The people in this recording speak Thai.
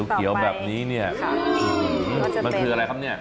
เขียวแบบนี้เนี่ยมันคืออะไรครับเนี่ย